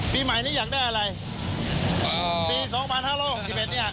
ปีใหม่นี้อยากได้อะไรอ่าปีสองพันห้าร้อยหกสิบเอ็ดเนี้ย